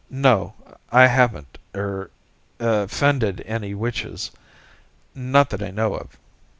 "No, I haven't ... er, offended any witches. Not that I know of."